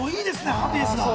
『ハピネス』が。